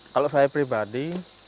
kalau saya pribadi